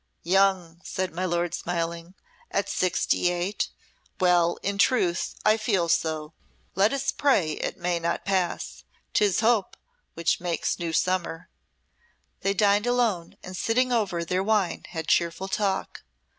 "Young!" said my lord, smiling, "at sixty eight? Well, in truth, I feel so. Let us pray it may not pass. 'Tis hope which makes new summer." They dined alone, and sitting over their wine had cheerful talk.